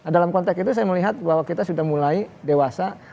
dalam konteks itu saya melihat bahwa kita sudah mulai dewasa